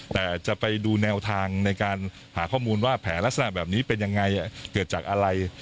แต่จะไปดูแนวทางในการหาข้อมูลว่าแผลลักษณะแบบนี้เป็นยังไงเกิดจากอะไร